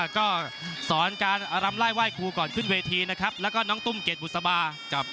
ก็สอนการรำไล่ไห้ครูก่อนขึ้นเวทีนะครับแล้วก็น้องตุ้มเกรดบุษบา